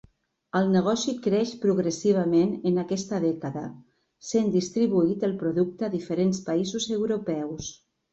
El negoci creix progressivament en aquesta dècada, sent distribuït el producte a diferents països europeus.